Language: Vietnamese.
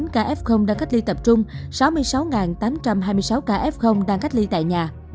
sáu một trăm chín mươi chín ca f đang cách ly tập trung sáu mươi sáu tám trăm hai mươi sáu ca f đang cách ly tại nhà